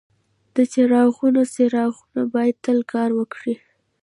د چراغونو څراغونه باید تل کار وکړي.